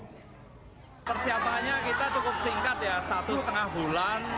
ya persiapannya kita cukup singkat ya satu setengah bulan